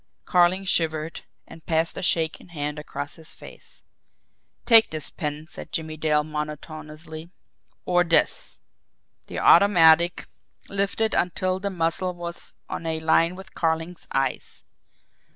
Carling shivered, and passed a shaking hand across his face. "Take this pen," said Jimmie Dale monotonously; "or THIS!" The automatic lifted until the muzzle was on a line with Carling's eyes.